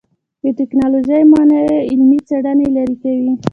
د ټکنالوژۍ موانع علمي څېړنې لرې کوي.